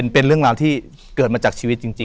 เป็นเรื่องราวที่เกิดมาจากชีวิตจริง